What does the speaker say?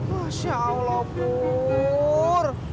masya allah purr